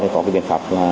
có cái biện pháp